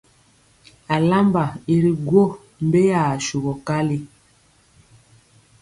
Alamba i ri gwo mbeya asugɔ kali.